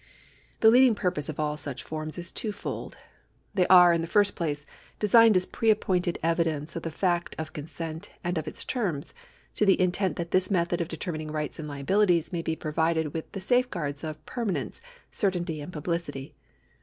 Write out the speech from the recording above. The leading purpose of all such forms is twofold. They are, in the first place, designed as pre appointed evidence of the fact of consent and of its terms, to the intent that this method of determining rights and liabilities may be provided \vith the safeguards of permanence, certainty, and publicity.